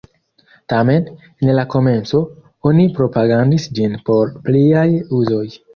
Tamen, en la komenco, oni propagandis ĝin por pliaj uzoj.